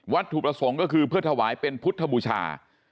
ถูกประสงค์ก็คือเพื่อถวายเป็นพุทธบูชา